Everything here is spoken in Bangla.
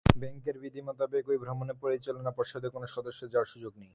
ব্যাংকের বিধি মোতাবেক ওই ভ্রমণে পরিচালনা পর্ষদের কোনো সদস্যের যাওয়ার সুযোগ নেই।